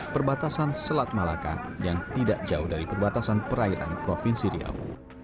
perbatasan selat malaka yang tidak jauh dari perbatasan perairan provinsi riau